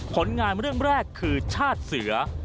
ผลงานเรื่องแรกคือชาติเสือ